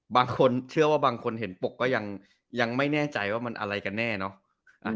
บางคนเชื่อว่าบางคนเห็นปกก็ยังไม่แน่ใจว่ามันอะไรกันแน่เนาะ